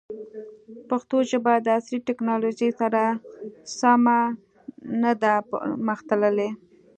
پښتو ژبه د عصري تکنالوژۍ سره سمه نه ده پرمختللې.